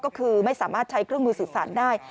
ก็คือไม่สามารถใช้เครื่องมือสื่อสารได้